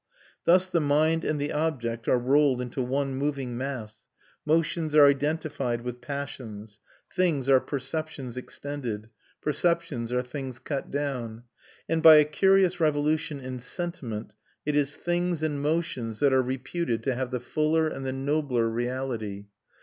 Thus the mind and the object are rolled into one moving mass; motions are identified with passions, things are perceptions extended, perceptions are things cut down. And, by a curious revolution in sentiment, it is things and motions that are reputed to have the fuller and the nobler reality.